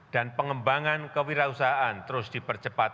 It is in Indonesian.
dan pengembangan kewirausahaan terus dipercepat